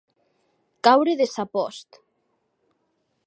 Caure de sa post.